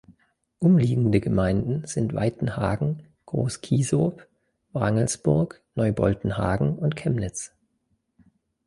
Umliegende Gemeinden sind Weitenhagen, Groß Kiesow, Wrangelsburg, Neu Boltenhagen und Kemnitz.